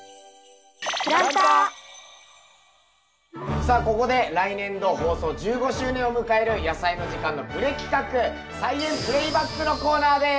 さあここで来年度放送１５周年を迎える「やさいの時間」のプレ企画「菜園プレイバック」のコーナーです！